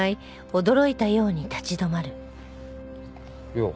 よう。